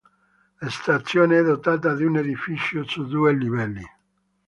La stazione è dotata di un edificio su due livelli.